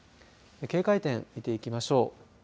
警戒点、見ていきましょう。